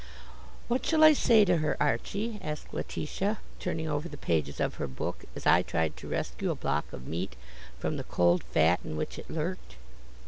"What shall I say to her, Archie?" asked Letitia, turning over the pages of her book, as I tried to rescue a block of meat from the cold fat in which it lurked.